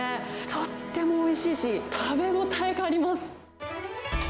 とってもおいしいし、食べ応えがあります。